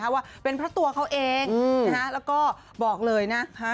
ว่าเป็นพระตัวเขาเองนะฮะแล้วก็บอกเลยนะฮะ